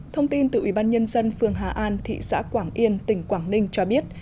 thông tin từ ủy ban nhân dân phường hà an thị xã quảng yên tỉnh quảng ninh cho biết